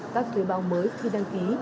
các thuê bao mới khi đăng ký